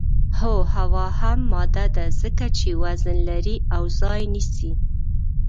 هو هوا هم ماده ده ځکه چې وزن لري او ځای نیسي.